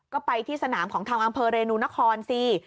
ก็ไปที่สนามของทางอำเภอเรนูนครสิ